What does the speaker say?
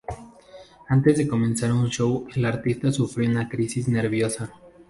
Antes de comenzar un show, el artista sufrió una crisis nerviosa.